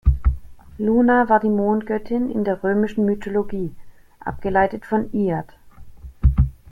Luna war die Mondgöttin in der römischen Mythologie, abgeleitet von lat.